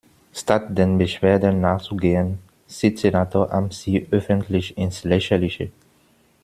Statt den Beschwerden nachzugehen, zieht Senator Harms sie öffentlich ins Lächerliche.